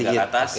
agak ke atas oke